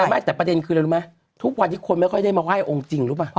ไม่แต่ประเด็นคืออะไรรู้ไหมทุกวันนี้คนไม่ค่อยได้มาไหว้องค์จริงหรือเปล่า